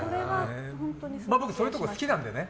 僕、そういうところ好きなんでね。